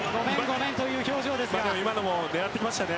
今のも狙っていきましたね